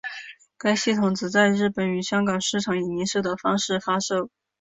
该系统只在日本与香港市场以零售的方式发售。